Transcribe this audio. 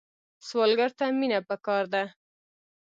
سوالګر ته مینه پکار ده